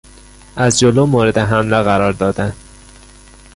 از جلو مورد حمله قرار دادن